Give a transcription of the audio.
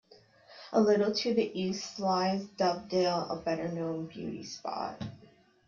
A little to the east lies Dovedale, a better-known beauty spot.